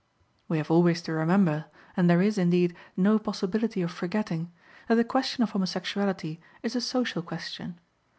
We have always to remember, and there is, indeed, no possibility of forgetting, that the question of homosexuality is a social question.